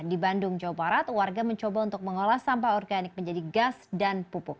di bandung jawa barat warga mencoba untuk mengolah sampah organik menjadi gas dan pupuk